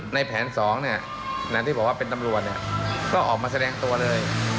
ในแผน๒ที่บอกว่าเป็นตำรวจก็ออกมาแสดงตัวเลย